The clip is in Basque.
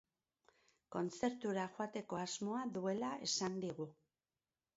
Kontzertura joateko asmoa duela esan digu.